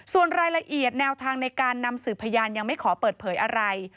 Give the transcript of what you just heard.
ส่วนรายละเอียดแนวทางในการนำสืบพยานยังไม่ขอเปิดเผยอะไร